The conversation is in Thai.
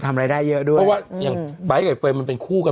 ทำไรได้เยอะด้วยเพราะว่าอย่างไบ้และเฟยย์มันเป็นคู่กันมา